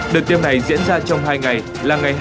đợt tiêm này diễn ra trong hai ngày là ngày hai mươi